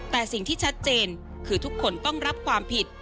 แต่สิ่งที่ชัดเจนคือทุกคนต้องรับความผิด